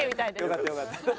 よかったよかった。